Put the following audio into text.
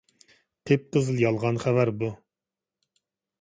قىپقىزىل يالغان خەۋەر بۇ!